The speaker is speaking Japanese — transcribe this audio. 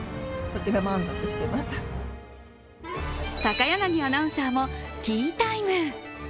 高柳アナウンサーもティータイム。